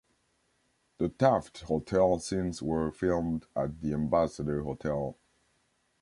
The Taft Hotel scenes were filmed at the Ambassador Hotel.